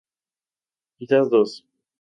Quizás dos.